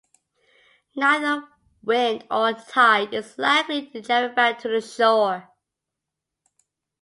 Neither wind nor tide is likely to drive it back to the shore.